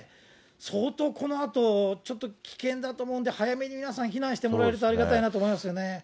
相当このあと、ちょっと危険だと思うんで、早めに皆さん避難してもらえるとありがたいなと思いますよね。